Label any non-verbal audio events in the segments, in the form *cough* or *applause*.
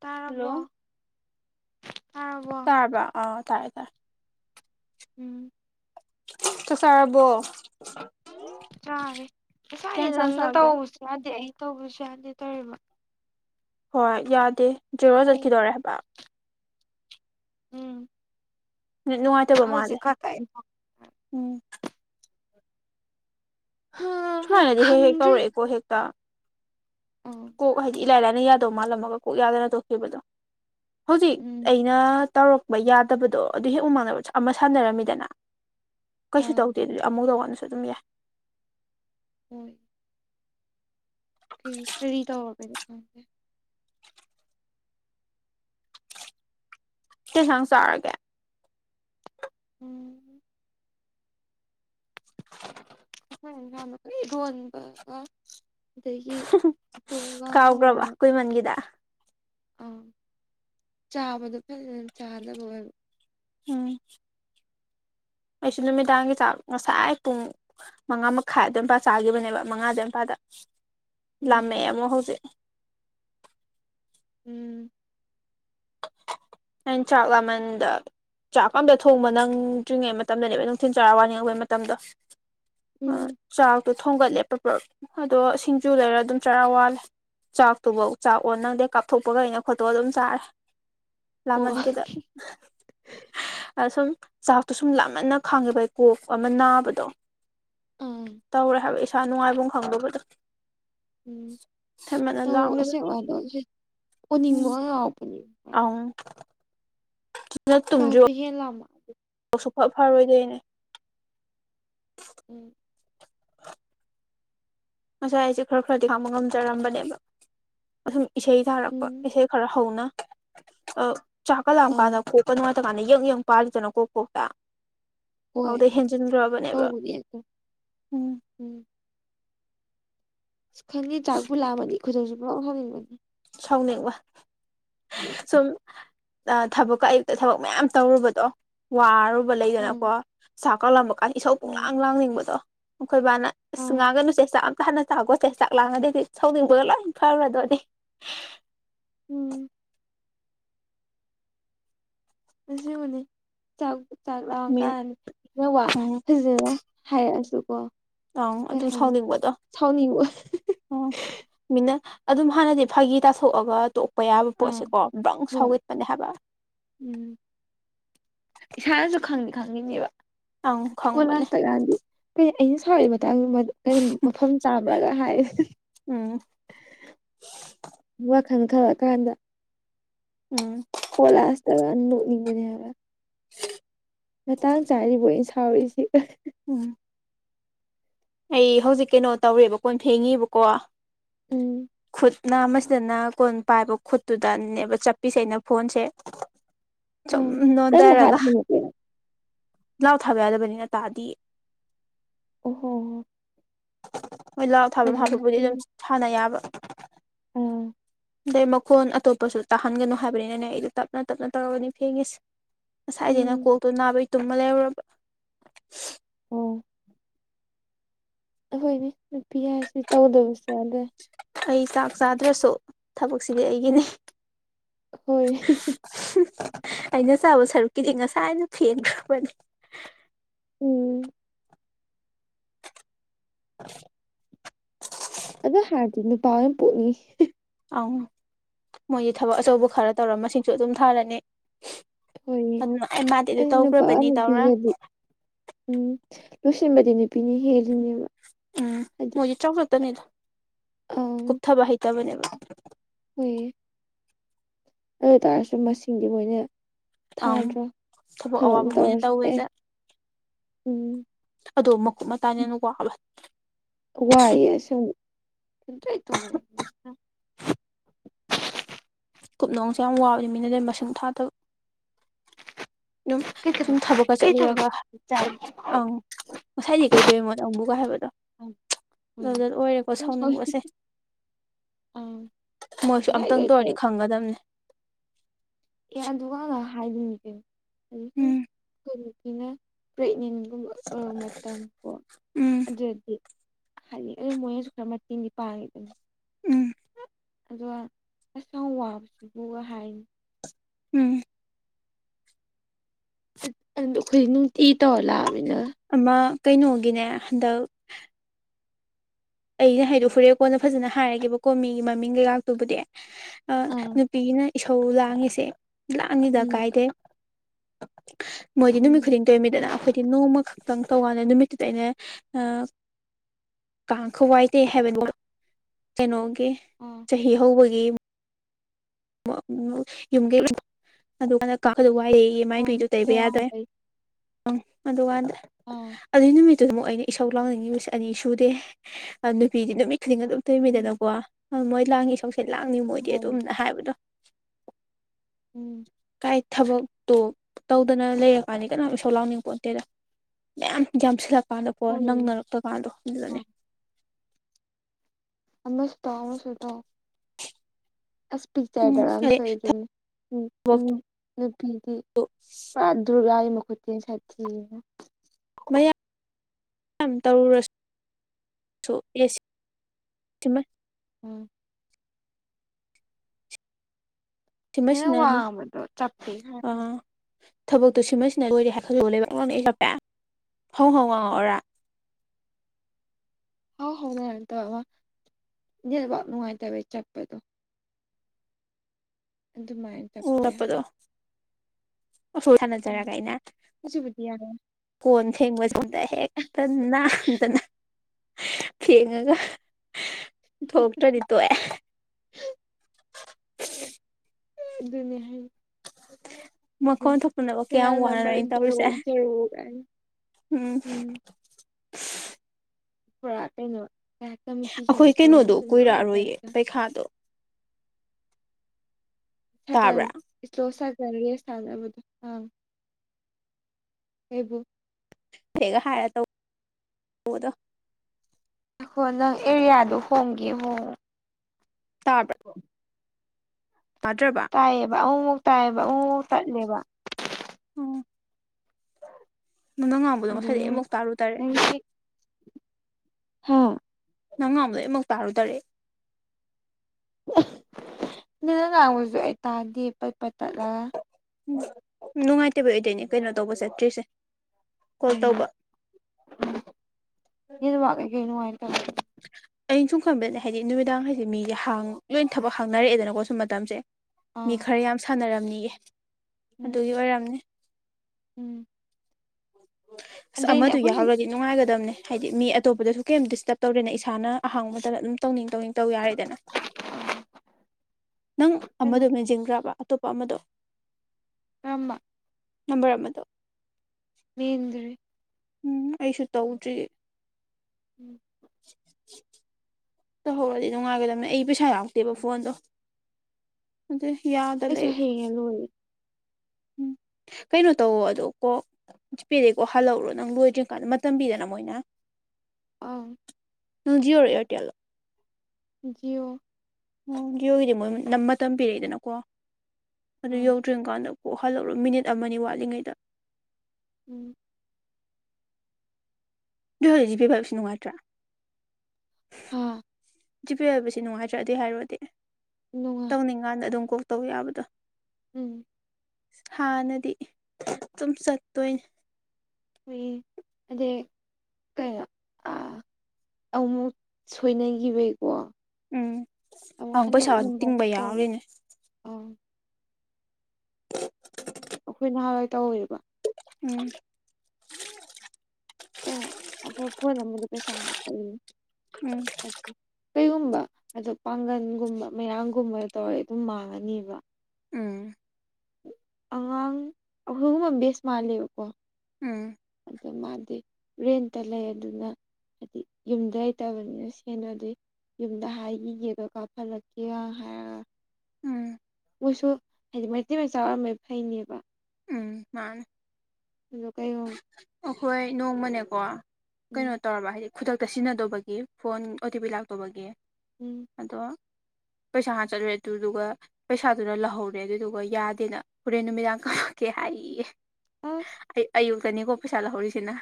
ꯇꯥꯔꯕꯣ ꯇꯥꯔꯕꯣ ꯑꯥ ꯇꯥꯏ ꯎꯝ ꯆꯥꯛ ꯆꯥꯔꯕꯣ ꯆꯥꯔꯦ ꯀꯩ ꯏꯁꯥꯒꯤ ꯏꯟꯁꯥꯡ ꯂꯪꯉꯥ ꯆꯥꯒꯦ ꯇꯧꯕꯁꯨ ꯌꯥꯗꯦ ꯑꯇꯧ ꯇꯧꯕꯁꯨ ꯌꯥꯗꯦ ꯇꯧꯔꯤꯕ ꯍꯣꯏ ꯌꯥꯗꯦ ꯖꯦꯔꯣ ꯆꯠꯈꯤꯗꯧꯔꯦ ꯍꯥꯏꯕ ꯎꯝ ꯅꯦꯠ ꯅꯨꯡꯉꯥꯏꯇꯕ ꯃꯥꯜꯂꯦ ꯍꯧꯖꯤꯛ ꯈꯛꯇ ꯑꯩꯅ ꯎꯝ ꯍꯣꯏ ꯁꯨꯃꯥꯏꯅꯗꯤ ꯍꯦꯛ ꯍꯦꯛ ꯈꯪꯗ꯭ꯔꯤ ꯇꯧꯔꯛꯑꯦꯀꯣ ꯍꯦꯛꯇ ꯑꯥ ꯀꯣꯛ ꯍꯥꯏꯗꯤ ꯏꯂꯥꯏ ꯂꯥꯏꯅ ꯌꯥꯗꯧ ꯃꯥꯜꯂꯝꯃꯒ ꯀꯣꯛ ꯌꯥꯗꯅ ꯇꯧꯈꯤꯕꯗꯣ ꯍꯧꯖꯤꯛ ꯎꯝ ꯑꯩꯅ ꯇꯧꯔꯛꯄ ꯌꯥꯗꯕꯗꯣ ꯑꯗꯨ ꯍꯦꯛ ꯎꯃꯥꯡꯅꯕ ꯆ ꯑꯃ ꯁꯥꯟꯅꯔꯝꯃꯤꯗꯅ ꯀꯩꯁꯨ ꯑꯥ ꯇꯧꯗꯦ ꯑꯗꯨꯗꯤ ꯑꯃꯨꯧ ꯇꯀꯗꯁꯨ ꯑꯗꯨꯝ ꯌꯥꯏ ꯎꯝ ꯀꯔꯤ ꯀꯔꯤ ꯇꯧꯔꯒꯗꯤꯒꯦ ꯀꯩ ꯏꯟꯁꯥꯡ ꯆꯥꯔꯒꯦ ꯎꯝ ꯒ ꯏ ꯑꯣꯟꯕꯒ ꯀꯥꯎꯈ꯭ꯔꯕ ꯀꯨꯏꯃꯟꯒꯤꯗ ꯑꯥ ꯆꯥꯕꯗꯣ ꯐꯖꯅ ꯆꯥꯗꯕ ꯑꯣꯏꯔꯣ ꯎꯝ ꯑꯩꯁꯨ ꯅꯨꯃꯤꯗꯥꯡꯒꯤ ꯆꯥꯛ ꯉꯁꯥꯏ ꯄꯨꯡ ꯃꯉꯥ ꯃꯈꯥꯏ ꯑꯗꯋꯥꯏ ꯏꯝꯄꯥꯜ ꯆꯥꯒꯤꯈꯤꯕꯅꯦꯕ ꯃꯉꯥꯗꯋꯥꯏꯝꯄꯥꯜꯗ ꯎꯝ ꯂꯝꯃꯦꯃꯦ ꯑꯃ ꯍꯧꯖꯤꯛ ꯎꯝ ꯑꯟ ꯆꯥꯛ ꯂꯃꯟꯗ ꯆꯥꯛ ꯑꯝꯇ ꯊꯣꯡꯕ ꯅꯪꯗ꯭ꯔꯤꯉꯩ ꯃꯇꯝꯗꯅꯦꯕ ꯅꯨꯡꯊꯤꯟ ꯆꯥꯔꯥ ꯋꯥꯅꯤꯡꯉꯕꯩ ꯃꯇꯝꯗꯣ ꯎꯝ ꯆꯥꯛꯇꯣ ꯊꯣꯡꯒꯠꯂꯦ ꯄꯄꯞ ꯑꯗꯣ ꯁꯤꯡꯖꯨ ꯂꯩꯔ ꯑꯗꯨꯝ ꯆꯔꯥ ꯋꯥꯠꯂꯦ ꯆꯥꯛꯇꯨꯐꯥꯎ ꯆꯥꯛ ꯑꯣ ꯅꯪꯗꯦ ꯀꯥꯞꯊꯣꯛꯄꯒ ꯑꯩꯅ ꯈꯣꯠꯇꯣꯛ ꯑꯗꯨꯝ ꯆꯥꯔꯦ ꯑꯣ ꯂꯥꯃꯟꯈꯤꯗ ꯑ ꯁꯨꯝ ꯆꯥꯛꯇꯣ ꯁꯨꯝ ꯂꯞꯃꯟꯅ ꯈꯥꯡꯉꯦꯕ ꯑꯩ ꯀꯣꯛ ꯑꯃ ꯅꯥꯕꯗꯣ ꯑꯥ ꯇꯧꯔꯦ ꯍꯥꯏꯕ ꯏꯁꯥ ꯅꯨꯡꯉꯥꯏꯐꯝ ꯈꯪꯗꯕꯗꯣ ꯎꯝ ꯍꯦꯟꯃꯟꯅ ꯇꯧ ꯂꯥꯝꯈꯤꯕꯩ ꯑꯁꯦꯡ ꯋꯥꯗꯣ ꯑꯣꯅꯤꯡꯕꯒ ꯍꯥꯎꯕꯅꯦ ꯑ ꯆꯥꯎꯇ ꯍ ꯂꯃ ꯁꯐ ꯐꯔꯣꯏꯗꯦꯅꯦ ꯎꯝ ꯉꯁꯥꯏ ꯑꯩꯁꯦ ꯈꯔ ꯈꯔꯗꯤ ꯈꯥꯡꯕ ꯉꯝꯖꯔꯝꯕꯅꯦꯕ ꯑꯁꯨꯝ ꯏꯁꯩ ꯊꯥꯔꯛꯄ ꯎꯝ ꯏꯁꯩ ꯈꯔ ꯍꯧꯅ ꯑ ꯆꯥꯛꯀ ꯂꯥꯝ ꯑꯥ ꯀꯥꯟꯗ ꯈꯣꯛꯀ ꯅꯨꯡꯉꯥꯏ ꯇ ꯀꯥꯟꯗ ꯌꯪ ꯌꯪ ꯄꯥꯔꯤꯗꯅꯣ ꯀꯣꯛ ꯀꯣꯛꯇ ꯍꯣꯏ ꯑꯗꯨꯗꯩ ꯍꯦꯟꯖꯤꯟꯈ꯭ꯔꯕꯅꯦꯕ ꯇꯧꯕꯅꯦ ꯑꯗꯣ ꯎꯝ ꯈꯉ ꯆꯥꯛꯄ ꯂꯥꯛꯑꯃꯅꯤ ꯈꯨꯗꯛꯁꯨ ꯄꯨꯂꯥꯎꯍꯟꯅꯤꯡꯕꯅꯤ ꯁꯥꯎꯅꯤꯡꯕ ꯁꯨꯝ ꯊꯕꯛꯀ ꯑꯌꯨꯛꯇ ꯊꯕꯛ ꯃꯌꯥꯝ ꯇꯧꯔꯨꯕꯗꯣ ꯋꯥꯔꯨꯕ ꯑꯪ ꯂꯩꯗꯅꯀꯣ ꯆꯥꯛ ꯀꯛꯂꯝꯕ ꯀ ꯏꯁꯧ ꯎꯝ ꯄꯨꯡꯂꯥꯡ ꯂꯥꯡꯅꯤꯡꯕꯗꯣ ꯑꯩꯈꯣꯏꯕꯥꯅ ꯁ ꯑꯪ ꯉꯥꯡꯒꯅꯨꯁꯦ ꯆ ꯆꯥꯟꯅ ꯆꯥꯛꯀꯣꯠꯁꯦ ꯆꯥꯛ ꯂꯥꯡꯉꯗꯩꯗꯤ ꯁꯧꯗꯤꯡꯕꯗ ꯂꯣꯏ ꯐꯔꯗꯣꯅꯦ ꯎꯝ ꯉꯁꯤ ꯎꯅꯦ ꯆ ꯆꯥꯛ ꯂꯥꯡ ꯃꯤ ꯀꯥꯟ ꯋꯥ ꯎꯝ ꯐꯖꯅ ꯍꯥꯏꯔꯛꯑꯁꯨꯀꯣ ꯑꯪ ꯀꯩ ꯑꯗꯨꯝ ꯍꯥꯏꯅꯤ ꯁꯥꯎꯅꯤꯡꯕꯗꯣ ꯁꯥꯎꯅꯤꯡꯕ ꯑ ꯃꯤꯅ ꯑꯗꯨꯝ ꯍꯥꯟꯅꯗꯤ ꯐꯥꯒꯤ ꯇꯥꯊꯣꯛꯑꯒ ꯇꯣꯛꯄ ꯌꯥꯕ ꯑꯥ ꯄꯣꯠꯁꯦꯀꯣ ꯕ꯭ꯔꯪ ꯍꯣꯏ ꯁꯧꯒꯠꯄꯅꯦ ꯍꯥꯏꯕ ꯎꯝ ꯏꯁꯥꯅꯁꯨ ꯈꯪꯅꯤ ꯈꯪꯉꯅꯦꯕ ꯑꯪ ꯈꯪꯕꯅꯦ ꯀꯣꯂꯥꯁꯇꯒꯥꯟ ꯀ ꯑꯩꯅ ꯁꯔꯦ ꯈꯤꯇꯪꯩꯅꯝ ꯃꯐꯝ ꯆꯥꯕ꯭ꯔꯥꯒ ꯍꯥꯏ ꯎꯝ ꯋꯥꯈꯜ ꯈꯥꯔꯀꯥꯟꯗ ꯎꯝ ꯀꯣꯂꯥꯁꯇꯔ ꯅꯤꯡꯕꯅꯦꯦ *inaudible* ꯃꯇꯥꯡ ꯆꯥꯔꯤꯕꯣ ꯑꯩꯅ ꯁꯥꯎꯔꯛꯏꯁꯤ ꯎꯝ ꯑꯩ ꯍꯧꯖꯤꯛ ꯀꯩꯅꯣ ꯇꯧꯔꯦꯕ ꯀꯣꯟ ꯐꯦꯡꯉꯤꯕꯀꯣ ꯎꯝ ꯅꯅꯥ ꯃꯁꯤꯗꯅ ꯀꯣꯟ ꯄꯥꯏꯕ ꯈꯨꯠꯇꯨꯗꯅꯦꯕ ꯆꯠꯄꯤꯁꯦ ꯑꯩꯅ ꯐꯣꯟꯁꯦ ꯑꯥ ꯆꯨꯝꯅꯣ ꯑꯩ ꯃꯈꯥ ꯇꯔꯒ ꯊꯝꯃꯒꯦ ꯂꯥꯎꯊꯕ ꯑꯕꯅꯤꯅ ꯇꯥꯗꯤꯌꯦ ꯑꯣ ꯍꯣ ꯍꯣꯏ ꯂꯥꯎ ꯊꯥꯐꯝ ꯑꯩꯁꯨ ꯍꯥꯞꯄꯕꯨꯗꯤ ꯑꯗꯨꯝ ꯊꯥꯅ ꯌꯥꯕ ꯎꯝ ꯑꯗꯩ ꯃꯈꯣꯟ ꯑꯇꯣꯞꯄꯁꯨ ꯇꯥꯍꯟꯒꯅꯨ ꯍꯥꯏꯕꯅꯤꯅꯅꯦ ꯑꯩꯗꯣ ꯇꯞꯅ ꯇꯞꯅ ꯇꯧꯔꯒꯅꯤ ꯐꯦꯡꯉꯤꯁꯦ ꯉꯁꯥꯏꯗꯩꯅ ꯎꯝ ꯀꯣꯛꯇꯣ ꯅꯥꯕꯩ ꯇꯨꯝꯃ ꯂꯩꯔꯨꯔꯕ ꯎꯝ ꯑꯩꯈꯣꯏꯗꯤ ꯅꯨꯄꯤ ꯍꯥꯏꯁꯦ ꯇꯧꯗꯕꯁꯨ ꯌꯥꯗꯦ ꯑꯩ ꯆꯥꯛ ꯆꯥꯗ꯭ꯔꯁꯨ ꯊꯕꯛꯁꯤꯗꯤ ꯑꯩꯒꯤꯅꯤ ꯍꯣꯏ ꯑꯩꯅ ꯆꯥꯕ ꯁꯔꯨꯛꯀꯤꯗꯤ ꯉꯁꯥꯏꯅ ꯐꯦꯡꯈꯔꯕꯅꯤ ꯎꯝ *unintelligible* ꯑꯗꯨ ꯍꯥꯏꯔꯗꯤ ꯅꯨꯄꯥ ꯑꯣꯏꯅ ꯄꯣꯛꯅꯤꯡꯉꯤ ꯑꯪ ꯃꯣꯏꯒꯤ ꯊꯕꯛ ꯑꯆꯧꯕ ꯈꯔ ꯇꯧꯔ ꯃꯁꯤꯡꯁꯨ ꯑꯗꯨꯝ ꯊꯥꯔꯅꯤ ꯍꯣꯏꯅꯦ ꯑꯗꯨꯅ ꯑꯩ ꯃꯥꯗꯤ ꯑ ꯑꯗꯨ ꯅꯨꯄꯥ ꯇꯧꯈ꯭ꯔꯕꯅꯤ ꯇꯧꯔ ꯅꯨꯄꯤꯒꯗꯤ ꯎꯝ ꯂꯣꯏꯁꯤꯟꯕꯗꯤ ꯅꯨꯄꯤꯅ ꯍꯦꯜꯂꯤꯅꯦꯕ ꯎꯝ ꯍꯥꯏꯗꯤ ꯃꯣꯏꯁꯦ ꯆꯥꯎꯈꯠꯄꯅꯤꯗ ꯀꯨꯞꯊꯕ ꯍꯩꯇꯕꯅꯦꯕ ꯍꯣꯏ ꯑꯗꯨꯇꯥꯔꯁꯨ ꯃꯁꯤꯡꯗꯤ ꯃꯣꯏꯅ ꯑꯪ ꯊꯥꯗ꯭ꯔꯣ ꯊꯕꯛ ꯑꯃ ꯑꯋꯥꯕ ꯃꯣꯏꯅ ꯇꯧꯔꯁꯨ ꯑꯦ ꯇꯧꯋꯦꯗ ꯎꯝ ꯑꯗꯣ ꯃꯀꯨꯞ ꯃꯇꯥꯅꯦꯅ ꯋꯥꯕ ꯍꯦꯜ ꯋꯥꯏꯌꯦ ꯑꯁꯦꯡꯕ ꯀꯇꯥꯏ ꯇꯨꯡ *unintelligible* ꯀꯨꯞꯅꯨꯡꯁꯦ ꯌꯥꯝ ꯋꯥꯕꯁꯦ ꯃꯤꯅꯗꯤ ꯃꯁꯤꯡ ꯊꯥꯗꯕ ꯑꯗꯨꯝ ꯀꯩ ꯁꯨꯝ ꯊꯕꯛ ꯊꯕꯛꯀ ꯀꯩ ꯊꯕꯛ ꯆꯠꯂꯨꯔꯒ ꯑꯪ ꯉꯁꯥꯏꯗꯤ ꯀꯩꯗꯧꯔꯤꯃꯣ ꯅꯪꯕꯨꯒ ꯍꯥꯏꯕꯗꯣ ꯑꯗꯨꯗ ꯑꯣꯏꯔꯦꯀꯣ ꯁꯥꯎꯅꯤꯡꯕꯁꯦ ꯃꯣꯏꯁꯨ ꯉꯁꯥꯏꯗꯣ ꯑꯝꯇꯪ ꯍꯦꯛꯇ ꯇꯧꯔꯗꯤ ꯈꯪꯒꯗꯕꯅꯦ ꯍꯥꯏꯅꯤꯡꯉ ꯀ ꯑꯗꯨ ꯁꯨꯝ ꯎꯝ ꯑꯩꯈꯣꯏꯅ ꯄ꯭ꯔꯦꯒꯅꯦꯟ ꯄꯔꯦꯛꯅꯦꯟ ꯑꯣꯏꯕ ꯃꯇꯝ ꯎꯝ ꯑꯗꯨꯗꯤ ꯍꯥꯏ ꯑꯗꯨ ꯃꯣꯏꯁꯨ ꯈꯔ ꯃꯇꯦꯡꯗꯤ ꯄꯥꯡꯉꯦ ꯎꯝ ꯑꯗꯨꯒ ꯑꯁꯥꯝ ꯋꯥꯕꯁꯤꯕꯨꯒ ꯍꯥꯏꯅꯤ ꯎꯝ ꯑꯩꯈꯣꯏ ꯅꯨꯡꯇꯤ ꯇꯧꯔ ꯂꯥꯛꯑ ꯑꯃ ꯀꯩꯅꯣꯒꯤꯅꯦ ꯍꯟꯗꯛ ꯑꯩꯅ ꯍꯥꯏꯗꯣ ꯍꯣꯔꯦꯜ ꯀꯣꯟꯅ ꯐꯖꯅ ꯍꯥꯏꯔꯒꯦꯕꯀꯣ ꯃꯤꯒꯤ ꯃꯃꯤꯡ ꯀꯩ ꯀꯥꯗꯨꯕꯨꯗꯤ ꯑꯥ ꯅꯨꯄꯤꯅ ꯏꯁꯧ ꯂꯥꯡꯉꯤꯁꯦ ꯂꯥꯡꯅꯤꯗ ꯎꯝ ꯀꯥꯏꯗꯩ ꯃꯣꯏꯗꯤ ꯎꯝ ꯅꯨꯃꯤꯠ ꯈꯨꯗꯤꯡ ꯇꯧꯔꯤꯃꯤꯗꯅ ꯑꯩꯈꯣꯏꯗꯤ ꯅꯣꯡꯃ ꯈꯛꯇꯪ ꯇꯧꯀꯥꯟꯗ ꯅꯨꯃꯤꯠꯇꯨꯗ ꯑꯩꯅ ꯑ ꯀꯥꯡꯈ ꯋꯥꯏ ꯇꯩ ꯍꯥꯏꯕ ꯀꯩꯅꯣ ꯒꯤ ꯑꯥ ꯆꯍꯤ ꯍꯧꯕꯒꯤ ꯌꯨꯝꯒꯤ ꯑꯗꯨ ꯀꯥꯡꯈ ꯑꯩꯒꯤ ꯑꯥ ꯃꯥꯏꯕꯤꯗꯨꯣ ꯇꯩꯕ ꯌꯥꯗꯣꯏ ꯆꯩꯔꯥꯎꯕꯩ ꯎꯝ ꯑꯗꯨꯀꯥꯟꯗ ꯑꯥ ꯑꯗꯨꯏ ꯅꯨꯃꯤꯠ ꯑꯗꯨ ꯑꯃꯨꯛ ꯑꯩꯅ ꯏꯁꯥꯎ ꯂꯥꯡꯅꯤꯡꯉꯤꯕꯁꯦ ꯑꯅꯤ ꯁꯨꯗꯦ ꯅꯨꯄꯤꯗꯤ ꯅꯨꯃꯤꯠ ꯈꯨꯗꯤꯡ ꯑꯗꯨꯝ ꯎꯝ ꯇꯩꯔꯤꯃꯤꯗꯀꯣ ꯃꯣꯏ ꯂꯥꯡꯉꯤ ꯏꯁꯧꯁꯦ ꯂꯥꯡꯅꯤ ꯃꯣꯏꯗꯤ ꯍꯣꯏ ꯑꯗꯨꯝꯅ ꯍꯥꯏꯕꯗꯣ ꯎꯝ ꯑꯩ ꯊꯕꯛꯇꯣ ꯇꯧꯗꯅ ꯂꯩꯔꯀꯥꯟꯅꯤ ꯀꯅꯥꯝ ꯏꯁꯧ ꯂꯥꯡꯅꯤꯡꯕ ꯄꯣꯠ ꯅꯠꯇꯦꯗ ꯃꯌꯥꯝ ꯌꯥꯝꯁꯤꯜꯂꯛ ꯀꯥꯟꯗꯀꯣ ꯍꯣꯏ ꯅꯪꯅꯔꯛꯇꯔꯀꯥꯟꯗꯣ ꯑꯥ ꯑꯗꯨꯗꯅꯦ ꯑꯃꯁꯨꯇꯧ ꯑꯃꯁꯨꯇꯧ ꯑꯁ ꯎꯝ ꯄꯤꯛꯆꯥꯏꯗꯔ ꯑꯗꯩ ꯊꯣꯛꯏꯗꯨꯅꯤ ꯎꯝ ꯎꯝ ꯊꯕꯛꯇꯨ ꯅꯨꯄꯤꯗꯤ ꯄꯨꯔꯥ ꯗꯨꯔꯒꯥꯒꯤ ꯃꯈꯨꯠꯇ ꯁꯥꯊꯤꯅ ꯃꯌꯥꯝ ꯇꯧꯔꯨꯔꯁꯨ ꯁ ꯌꯦꯁꯤ ꯁꯤꯃ ꯎꯝ ꯅꯪꯅ ꯁꯤꯃꯁꯤꯅ ꯋꯥ ꯉꯥꯡꯕꯗꯣ ꯆꯞꯄꯦ ꯊꯕꯛꯇꯨ ꯁꯤꯃ ꯁꯤꯅ ꯂꯣꯏꯔꯦ ꯍꯥꯏꯐꯗꯕ ꯂꯩꯕ ꯑꯉꯥꯡ ꯍꯥꯞꯄꯦ ꯍꯥꯎ ꯍꯥꯎ ꯉꯥꯡꯉꯛꯑꯣꯔ *inaudible* ꯍꯥꯎ ꯍꯥꯎ ꯅ ꯇꯕ ꯌꯦꯕ ꯅꯨꯡꯉꯥꯏꯇꯕꯦ ꯆꯠꯄꯗꯣ ꯑꯗꯨꯃꯥꯏꯅ ꯇꯞꯄꯦ ꯁ ꯊꯅꯖꯔꯥꯒꯥꯏꯅ ꯍꯧꯖꯤꯛꯕꯨꯗꯤ ꯌꯥꯔꯦ ꯀꯣꯟ ꯊꯦꯡꯕꯁꯗ ꯍꯦꯛꯇ ꯅꯥꯝꯇꯅ ꯊꯡꯉꯒ ꯊꯣꯛꯇ꯭ꯔꯗꯤ ꯇꯣꯛꯑꯦ ꯑꯗꯨꯅ ꯃꯈꯣꯟ ꯊꯣꯛꯄꯅꯕ ꯀꯌꯥꯝ ꯋꯥꯅꯅꯣ ꯅꯝꯕꯔ ꯑꯩꯅ ꯖꯦꯔꯣ ꯇꯧꯔꯤꯁꯦ ꯖꯦꯔꯣ ꯀꯥꯏꯅ ꯎꯝ ꯍ ꯀꯩꯅꯣ ꯀꯝꯃꯤꯇꯤꯁꯟ ꯑꯩꯈꯣꯏ ꯏꯁꯂꯣ ꯀꯩꯅꯣꯗꯣ ꯃꯣꯁꯟ ꯀꯨꯏꯔꯛꯑꯔꯣꯏꯌꯦ ꯇꯥꯏꯞꯇ ꯄꯩꯈꯥꯗꯣ ꯁꯀꯪ ꯇꯥꯕ꯭ꯔꯥ ꯏꯁꯂꯣ ꯁ ꯔ ꯁꯥꯗꯥꯥ ꯑꯥꯕꯨ ꯍꯦꯒ ꯍꯥꯏꯔ ꯇꯗꯣ ꯍꯣꯏ ꯅꯪ ꯑꯦꯔꯤꯌꯥꯗꯣ ꯍꯣꯡꯒꯦ ꯍꯣꯡꯉꯨ ꯇꯥꯇ ꯇꯥꯏꯌꯦꯕ ꯑꯃꯨꯃꯨꯛ ꯇꯥꯏꯑꯕ ꯑꯃꯨꯃꯨꯛ ꯆꯠꯂꯦꯕ ꯅ ꯅꯪ ꯉꯥꯡꯕꯗꯣ ꯉꯁꯥꯏꯗꯤ ꯑꯗꯨꯒꯤ ꯑꯩꯃꯨꯛ ꯇꯥꯔꯨ ꯇꯥꯔꯦ ꯍꯥꯥ ꯅꯪꯉꯥ ꯂꯣꯏꯃꯨꯛ ꯇꯥꯔꯨꯗꯔꯦ ꯅꯅ ꯉꯥꯡꯉꯨꯁꯨ ꯑꯩ ꯇꯥꯗꯦ ꯄꯠꯄ ꯇꯠꯂꯒ ꯎ ꯅꯨꯡꯉꯥꯏꯇꯕꯩ ꯑꯣꯏꯗꯣꯏꯅꯦ ꯀꯩꯅꯣ ꯇꯧꯕ ꯆꯠꯇ꯭ꯔꯤꯁꯦ ꯀꯣꯜ ꯎꯝ ꯇꯧꯕ ꯌꯦꯗꯨꯃ ꯑꯩꯅ ꯁꯨꯝ ꯈꯪꯕꯗꯅꯦ ꯍꯥꯏꯗꯤ ꯅꯨꯃꯤꯗꯥꯡ ꯍꯥꯏꯁꯦ ꯃꯤꯁꯦ ꯍꯥꯡ ꯂꯣꯏꯅ ꯊꯕꯛ ꯍꯥꯡꯅꯔꯛꯑꯦꯗꯅꯀꯣ ꯁꯨꯝ ꯃꯇꯝꯁꯦ ꯃꯤ ꯑꯥ ꯈꯔ ꯌꯥꯝ ꯁꯥꯟꯅꯔꯝꯅꯤꯌꯦ ꯑꯗꯨꯒꯤ ꯎꯝ ꯑꯣꯏꯔꯝꯅꯦ ꯎꯝ ꯑꯁ ꯑꯗꯩꯅꯦ ꯑꯃꯗꯨ ꯑꯩꯈꯣꯏꯁꯤ ꯌꯥꯎꯔꯗꯤ ꯅꯨꯡꯉꯥꯏꯒꯗꯕꯅꯦ ꯍꯥꯏꯗꯤ ꯃꯤ ꯑꯇꯣꯞꯄꯗꯁꯨ ꯀꯩꯝ ꯗꯤꯁꯇꯔꯔꯕ ꯇꯧꯔꯦꯅ ꯏꯁꯥꯅ ꯑꯍꯥꯡꯕ ꯃꯇꯝꯗ ꯑꯗꯨꯝ ꯇꯧꯅꯤꯡ ꯇꯧꯅꯤꯡ ꯇꯧ ꯌꯥꯔꯦ ꯅꯪ ꯀꯩꯅꯣ ꯑꯃꯗꯣ ꯃꯦꯟꯁꯤꯟꯈ꯭ꯔꯕ ꯑꯇꯣꯞꯄ ꯑꯃꯗꯣ ꯀꯃ ꯅꯝꯕꯔꯝꯕꯗꯣ ꯀꯦꯟꯗ꯭ꯔꯔꯤ ꯎꯝ ꯑꯩꯁꯨ ꯇꯧꯗ꯭ꯔꯤ ꯎꯝ ꯇꯧꯍꯧꯔꯗꯤ ꯅꯨꯡꯉꯥꯏꯒꯗꯕꯅꯦ ꯑꯩ ꯄꯩꯁꯥ ꯌꯥꯎꯛꯇꯦꯕ ꯐꯣꯟꯗꯣ ꯑꯗꯨ ꯌꯥꯗ ꯑꯩꯁꯨ ꯂꯩꯔꯦ ꯍꯌꯦꯡꯅ ꯂꯣꯏꯔꯦ ꯎꯝ *unintelligible* ꯀꯩꯅꯣ ꯇꯧꯋ ꯑꯗ ꯀꯣ ꯄꯦꯔꯦꯀꯣ ꯍꯜꯍꯛꯧꯔꯣ ꯅꯪ ꯂꯣꯏꯗ꯭ꯔꯤ ꯀꯥꯟꯗ ꯃꯇꯝ ꯄꯤꯗꯅ ꯃꯣꯏꯅ ꯑꯥ ꯖꯖꯤꯔ ꯑꯦꯔꯌꯥ ꯂꯣ ꯌꯣ ꯑꯣ ꯗꯤꯣꯒꯤꯗꯤ ꯃꯣꯏ ꯃꯇꯝ ꯄꯤꯔꯛꯏꯗꯅꯀꯣ ꯑꯗꯨ ꯑꯥ ꯌꯧꯗ꯭ꯔꯤꯉ ꯀꯥꯟꯗ ꯑꯣ ꯍꯜꯂꯛꯔꯣ ꯃꯤꯅꯤꯠ ꯑꯃꯅꯤ ꯋꯥꯠꯂꯤꯉꯩꯗ ꯎꯝ ꯑꯗꯨꯣꯏꯖꯤ ꯄꯕꯥꯁꯨ ꯅꯨꯡꯉꯥꯏꯇ꯭ꯔꯥ ꯎꯝ ꯖꯤꯄꯦ ꯑꯣꯏꯕꯁꯤ ꯅꯨꯡꯉꯥꯏꯇ꯭ꯔꯗꯤ ꯍꯥꯏꯔꯨꯔꯗꯤ ꯅꯨꯡꯉꯥꯏ ꯇꯧꯅꯤꯡꯀꯥꯟꯗ ꯑꯗꯨꯝ ꯀꯣꯛ ꯇꯧꯕ ꯌꯥꯕꯗꯣ ꯎꯝ ꯍꯥꯟꯅꯗꯤ ꯁꯨꯝ ꯆꯠꯇꯣꯏꯅꯤ ꯃꯤ ꯑ ꯀꯩꯅꯩꯅ ꯑ ꯑꯃꯨꯛ ꯁꯣꯏꯅꯈꯤꯕꯩꯀꯣ ꯎꯝ ꯑꯃꯨꯛ ꯑꯪ ꯍꯟꯗꯣꯛ ꯄꯩꯁꯥ ꯇꯤꯡꯕ ꯅꯝꯕꯔꯁꯨ ꯇꯧ ꯌꯥꯎꯔꯤꯅꯦ ꯑꯥ ꯑꯩꯈꯣꯏ ꯅꯍꯥꯟꯋꯥꯏ ꯇꯧꯋꯦꯕ ꯎꯝ ꯍꯣꯟꯅ ꯑꯃꯗꯣ ꯄꯩꯁꯥ ꯍꯥꯞꯄ ꯎꯝ ꯀꯩꯒꯨꯝꯕ ꯑꯗꯣ ꯄꯥꯡꯒꯟꯒꯨꯝꯕ ꯃꯌꯥꯡꯒꯨꯝꯕ ꯇꯧꯔꯗꯤ ꯑꯗꯨꯝ ꯃꯥꯡꯉꯅꯤꯕ ꯎꯝ ꯑꯉꯥꯡ ꯑꯍꯨꯝ ꯃꯛ ꯕꯦꯁ ꯃꯥꯜꯂꯦꯕꯀꯣ ꯎꯝ ꯑꯣ ꯃꯥꯗꯤ ꯔꯦꯟꯇ ꯂꯩ ꯑꯗꯨꯅ ꯍꯥꯏꯗꯤ ꯌꯨꯝꯗ ꯂꯩꯇꯕꯅꯤꯅ ꯁꯦꯅꯗꯤ ꯌꯨꯝꯗ ꯍꯥꯏꯈꯤ ꯌꯦꯡꯗ ꯀꯥꯞꯍꯜꯂꯛꯀꯦꯒ ꯍꯥꯏꯔꯒ ꯎꯝ ꯃꯣꯏꯁꯨ ꯍꯥꯏꯗꯤ ꯃꯩꯇꯩ ꯃꯆꯥ ꯑꯣꯏꯔꯝꯕꯩ ꯐꯩꯅꯦꯕ ꯎꯝ ꯃꯥꯅꯦ ꯀꯩꯒꯨꯝꯕꯥ *unintelligible* ꯑꯩꯈꯣꯏ ꯅꯣꯡꯃꯅꯦꯀꯣ ꯀꯩꯅꯣ ꯇꯧꯔꯕ ꯍꯥꯏꯗꯤ ꯈꯨꯗꯛꯇ ꯁꯤꯖꯤꯟꯅꯗꯧꯕꯒꯤ ꯐꯣꯟ ꯑꯣ ꯇꯤ ꯄꯤ ꯂꯥꯛꯇꯧꯕꯒꯤ ꯎꯝ ꯑꯗꯣ *inaudible* ꯄꯩꯁꯥ ꯍꯥ ꯆꯠꯂꯨꯔꯦ ꯑꯗꯨꯗꯨꯒ ꯄꯩꯁꯥꯗꯨꯅ ꯂꯧꯍꯧꯔꯦ ꯑꯗꯨꯗꯨꯒ ꯌꯥꯗꯦꯅ ꯍꯣꯔꯦꯟ ꯅꯨꯃꯤꯗꯥꯡ ꯀꯦ ꯍꯥꯏꯌꯦ ꯑꯁ ꯑ ꯑꯌꯨꯛꯇꯅꯤꯀꯣ ꯄꯩꯁꯥ ꯂꯧꯍꯧꯔꯤꯁꯤꯅ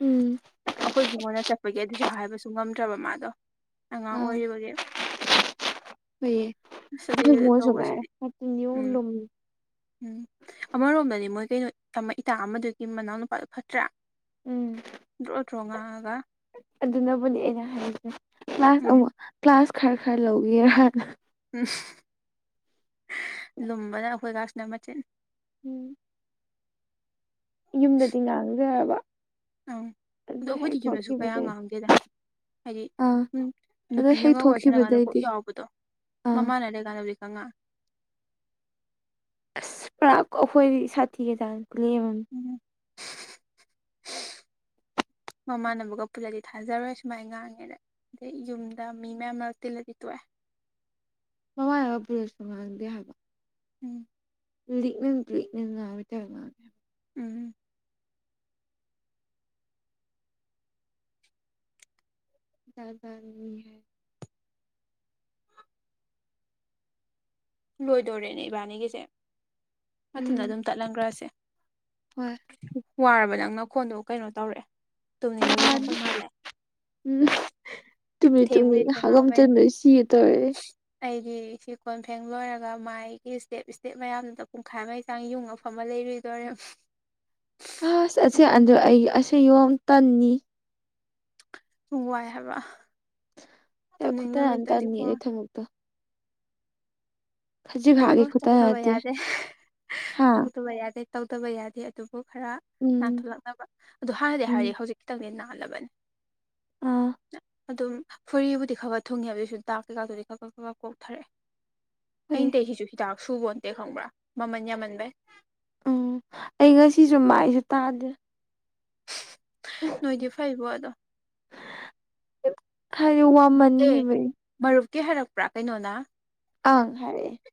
ꯎꯝ ꯑꯩꯈꯣꯏ ꯕꯨꯨꯡꯉꯣꯅꯥ ꯆꯠꯄꯒꯤ ꯑꯗꯨꯁꯨ ꯍꯥꯏꯕꯁꯨ ꯉꯝꯗ꯭ꯔꯕ ꯃꯥꯗꯣ ꯑꯉꯥꯡ ꯑꯣꯏꯔꯤꯕꯒꯤ ꯅꯣꯏ ꯑꯁ ꯑꯗꯨꯏꯗꯨꯗ ꯇꯧꯕꯁꯤꯗꯤ ꯎꯝ ꯏꯕꯨꯡꯉꯣ *unintelligible* ꯎꯝ ꯑꯃꯔꯣꯝꯗꯗꯤ ꯃꯣꯏ ꯀꯩꯅꯣ ꯏꯇꯥ ꯑꯃꯗꯨꯒꯤ ꯃꯅꯥꯎ ꯅꯨꯄꯥꯗꯨ ꯐꯠꯇ꯭ꯔꯥ ꯎꯝ ꯉꯡꯉꯒꯥ ꯑꯗꯨꯅꯕꯨꯅꯦ ꯑꯩꯅ ꯍꯥꯏꯔꯤꯁꯦ ꯀ꯭ꯂꯥꯁ ꯎꯝ ꯑꯃꯨꯛ ꯀ꯭ꯂꯥꯁ ꯈꯔ ꯈꯔ ꯂꯧꯒꯦꯔꯅ ꯎꯝ ꯂꯨꯝꯕꯅ ꯑꯩꯈꯣꯏꯒꯁꯤꯅ ꯃꯆꯤꯟꯠ ꯎꯝ ꯌꯨꯝꯗꯗꯤ ꯉꯥꯡꯗꯔꯕ ꯑꯪ ꯑꯗꯣ ꯑꯩꯈꯣꯏꯗꯤ ꯌꯨꯝꯗꯁꯨ ꯀꯌꯥ ꯉꯥꯡꯗꯦꯗ ꯍꯥꯏꯗꯤ ꯑꯥ ꯎ ꯑꯗꯣ ꯍꯦꯛ ꯅꯨꯄꯤꯅꯒ ꯑꯣꯏꯔꯁꯅꯀꯥꯟꯗ ꯄꯣꯛ ꯊꯣꯛꯈꯤꯕꯗꯩꯗꯤ ꯌꯥꯎꯕꯗꯣ ꯑꯥ ꯃꯃꯥꯅ ꯂꯩ ꯀꯥꯟꯗ ꯍꯧꯖꯤ ꯁꯅꯥ ꯑꯁ ꯄꯔꯥ ꯑꯩꯈꯣꯏꯗꯤ ꯁꯥꯊꯤꯒ ꯆꯥꯡꯅ ꯂꯦꯝꯃꯅꯤ ꯎꯝ *inaudible* ꯃꯃꯥꯟꯅꯕꯒ ꯄꯨꯜꯂꯗꯤ ꯊꯥꯖꯔꯣꯏ ꯁꯨꯃꯥꯏꯅ ꯉꯥꯡꯉꯦꯅ ꯑꯗꯩ ꯌꯨꯝꯗ ꯃꯤ ꯃꯌꯥꯝ ꯑꯃ ꯇꯤꯜꯂꯗꯤ ꯇꯣꯛꯑꯦ ꯃꯃꯥꯕ ꯄꯨꯔꯦꯁꯇ ꯉꯥꯡꯗꯦ ꯍꯥꯏꯕ ꯎꯝ ꯂꯤꯛꯅꯥ ꯂꯤꯛꯅ ꯉꯥꯡꯕꯩ ꯇꯥ ꯉꯪꯒꯦ ꯎꯝ ꯇꯖꯃꯤ ꯍꯥꯏ ꯂꯣꯏꯗꯣꯔꯦꯅꯦ ꯏꯕꯥꯅꯤꯒꯤꯁꯦ ꯃꯊꯟꯗ ꯎꯝ ꯑꯗꯨꯝ ꯇꯠꯍꯟꯈ꯭ꯔꯁꯦ ꯍꯣꯏ ꯋꯥꯔꯕ ꯅꯪ ꯅꯈꯣꯟꯗꯣ ꯀꯩꯅꯣ ꯇꯧꯔꯛꯑꯦ ꯇꯨꯝꯅꯤꯡꯕꯒꯤ ꯃꯈꯣꯟ ꯃꯥꯅꯤ ꯃꯥꯜꯂꯛꯑꯦ ꯇꯨꯝꯗꯤ ꯇꯨꯝꯅꯤꯡꯗꯦ ꯍꯒꯝ ꯆꯟꯕꯗꯥ ꯁꯤꯒꯦ꯫ ꯇꯧꯔꯦ ꯑꯩꯗꯤ ꯁꯤꯀꯣꯟꯔꯤ ꯐꯦꯡ ꯂꯣꯏꯔꯒ ꯃꯥꯏꯒꯤ ꯏꯁꯇꯦꯞ ꯏꯁꯇꯦꯞ ꯃꯌꯥꯝꯗꯨꯗ ꯄꯨꯡꯈꯥꯏ ꯃꯩ ꯆꯥꯡ ꯌꯨꯡ ꯑꯐꯝꯃ ꯂꯩꯔꯣꯏꯗꯣꯏꯔꯦ ꯑꯁ ꯑꯁꯤ ꯑꯟꯗ ꯑꯩ ꯑꯁꯤꯁ ꯌꯣ ꯇꯟꯅꯤ ꯋꯥꯏ ꯍꯥꯏꯕ ꯇꯨꯡꯅꯤꯡ ꯈꯨꯇꯟ ꯑꯃ ꯇꯟꯅꯤ ꯅꯨꯃꯤꯠꯇꯗꯤꯀꯣ ꯑꯩ ꯊꯕꯛꯇꯣ ꯈꯖꯤꯛ ꯑꯗꯨꯒꯣ ꯈꯥꯛꯒꯤ ꯈꯨꯠꯇ ꯅꯠꯇꯦ ꯆꯗꯕꯩꯌꯥꯗꯦ ꯍꯥ ꯇꯧꯗꯕ ꯌꯥꯗꯦ ꯇꯧꯗꯕ ꯌꯥꯗꯦ ꯑꯗꯨꯕꯨ ꯈꯔ ꯎꯝ ꯅꯥꯟꯊꯣꯛꯂꯛꯅꯕ ꯑꯗꯨ ꯍꯥꯟꯅꯗꯩꯩ ꯍꯥꯏꯔꯦ ꯎꯝ ꯍꯧꯖꯤꯛ ꯇꯧꯒꯦꯅ ꯂꯥꯕꯟ ꯑꯥ ꯑꯗꯨꯝ ꯐꯨꯔꯤꯕꯨꯗꯤ ꯈꯔ ꯊꯨꯡꯉꯦ ꯑꯗꯨꯏꯁꯨ ꯇꯥꯛ ꯀꯩꯀꯥꯗꯨꯗꯤ ꯈ ꯈꯛ ꯈ ꯀꯣꯛꯊꯔꯛꯑꯦ ꯍꯣꯏ ꯑꯩ ꯇꯩꯔꯤꯁꯤꯁꯨ ꯍꯤꯗꯥꯛ ꯁꯨꯕꯣꯟꯇꯦ ꯈꯪꯕ꯭ꯔꯥ ꯃꯃꯟ ꯌꯥꯝꯃꯟꯕꯩ ꯎꯝ ꯑꯩ ꯉꯁꯤꯁꯨ ꯃꯥꯏꯁꯨ ꯇꯥꯗꯦ ꯅꯣꯏꯗꯤ ꯐꯩꯕꯣ ꯑꯗꯣ ꯍꯥꯏꯗꯤ ꯋꯥꯃꯟꯒꯤꯕꯩ ꯇꯦ ꯍꯥꯏꯔꯛꯄ꯭ꯔꯥ ꯀꯩꯅꯣꯅꯥ ꯑꯥ ꯍꯥꯏꯔꯛꯑꯦ